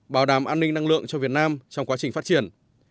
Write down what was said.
bảo đảm an ninh năng lượng cho việt nam trong quá trình phát triển